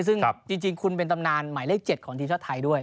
ซึ่งจริงคุณเป็นตำนานหมายเลข๗ของทีมชาติไทยด้วย